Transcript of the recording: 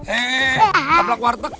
eh kablak warteg